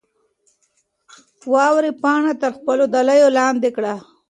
واورې پاڼه تر خپلو دلیو لاندې کړه.